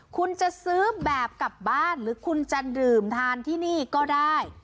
คุณจะซื้อแบบกลับบ้านหรือคุณจะดื่มทานที่นี่ก็ได้